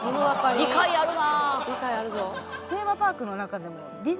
理解あるな！